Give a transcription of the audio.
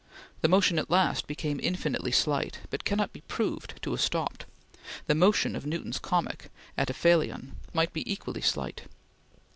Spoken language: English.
The motion at last became infinitely slight, but cannot be proved to have stopped. The motion of Newton's comet at aphelion may be equally slight.